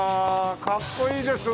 かっこいいですわ。